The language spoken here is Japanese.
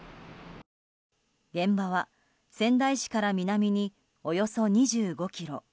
現場は仙台市から南におよそ２５ｋｍ